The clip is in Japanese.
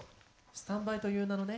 スタンバイという名のね。